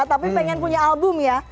tapi pengen punya album ya